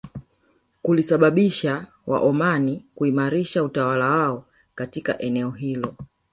Kulisababisha Waomani kuimarisha utawala wao katika eneo hilo